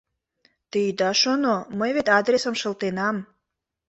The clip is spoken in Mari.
Те ида шоно, мый вет адресым шылтенам.